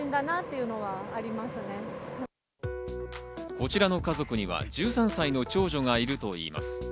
こちらの家族には１３歳の長女がいるといいます。